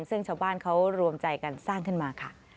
ซึ่งชาวบ้านเขารวมใจกันสร้างขึ้นมาค่ะ